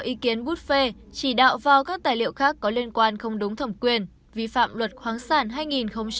những ý kiến bút phê chỉ đạo vào các tài liệu khác có liên quan không đúng thẩm quyền vi phạm luật khoáng sản hai nghìn một mươi